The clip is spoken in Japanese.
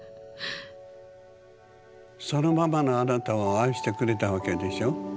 そのままのあなたを愛してくれたわけでしょ？